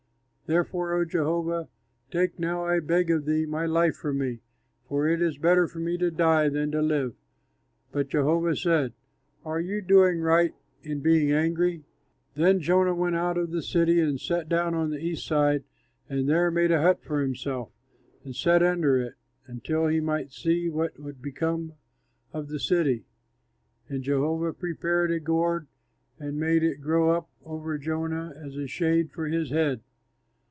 Therefore, O Jehovah, take now, I beg of thee, my life from me; for it is better for me to die than to live!" But Jehovah said, "Are you doing right in being angry?" Then Jonah went out of the city and sat down on the east side, and there made a hut for himself and sat under it, until he might see what would become of the city. And Jehovah prepared a gourd and made it grow up over Jonah as a shade for his head.